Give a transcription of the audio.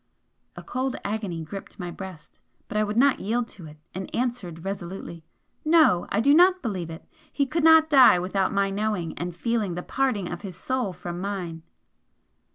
A cold agony gripped my breast, but I would not yield to it, and answered resolutely "No! I do not believe it! He could not die without my knowing and feeling the parting of his soul from mine!"